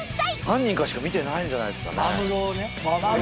何人かしか見てないんじゃないですかね。